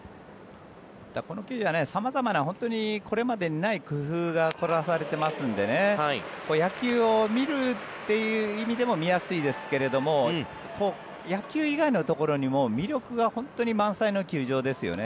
この球場は様々なこれまでにない工夫が凝らされていますので野球を見るという意味でも見やすいですけれども野球以外のところにも魅力が本当に満載の球場ですよね。